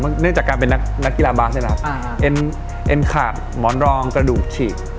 เนื่องจากการเป็นนักกีฬาบาสนี่แหละเอ็นขาดหมอนรองกระดูกฉีก